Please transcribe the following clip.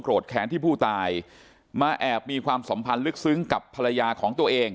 แขนที่ผู้ตายมาแอบมีความสัมพันธ์ลึกซึ้งกับภรรยาของตัวเอง